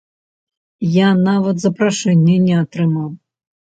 Я нават запрашэння не атрымаў!